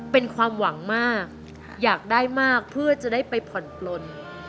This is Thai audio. เป็นความหวังมากอยากได้มากเพื่อจะได้ไปผ่อนปลน